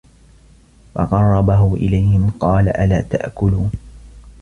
فَقَرَّبَهُ إِلَيهِم قالَ أَلا تَأكُلونَ